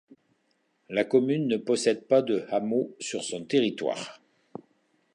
La commune ne possède pas de hameaux sur son territoire.